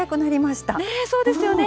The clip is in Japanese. そうですよね。